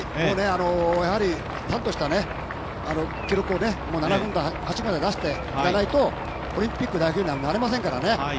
やはりちゃんとした記録を７分台、８分台出していかないとオリンピック代表にはなれませんからね。